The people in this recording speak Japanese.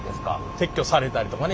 撤去されたりとかね。